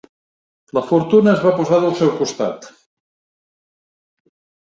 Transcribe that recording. La fortuna es va posar del seu costat.